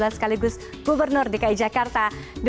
sekaligus gubernur dki jakarta dua ribu tujuh belas